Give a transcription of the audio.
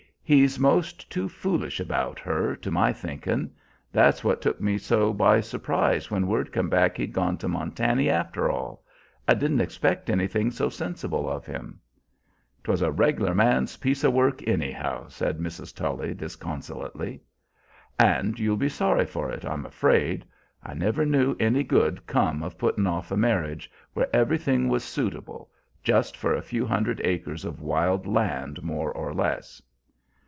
He's most too foolish about her, to my thinkin'. That's what took me so by surprise when word come back he'd gone to Montany after all; I didn't expect anything so sensible of him." "'Twas a reg'lar man's piece o' work anyhow," said Mrs. Tully disconsolately. "And you'll be sorry for it, I'm afraid. I never knew any good come of puttin' off a marriage, where everything was suitable, just for a few hundred acres of wild land, more or less."